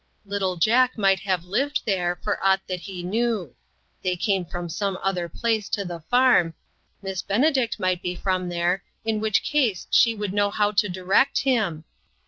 Little Jack might have lived there, for aught that he knew; they came from some other place to the farm, Miss Benedict might be from there, in which case she would know how to direct him